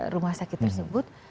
rumah sakit tersebut